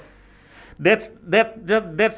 yang tidak ada di